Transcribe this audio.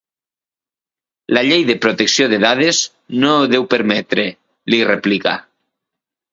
La llei de protecció de dades no ho deu permetre —li replica—.